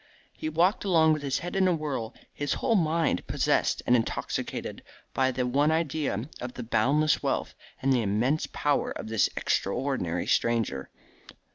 He walked along with his head in a whirl, his whole mind possessed and intoxicated by the one idea of the boundless wealth and the immense power of this extraordinary stranger.